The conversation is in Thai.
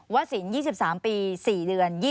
สิน๒๓ปี๔เดือน